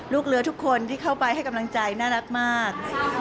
ลูกเรือทุกคนที่เข้าไปให้กำลังใจน่ารักมาก